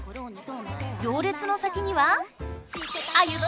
行列の先には。